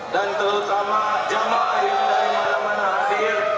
dan terutama jamaah yang tidak ada mana hadir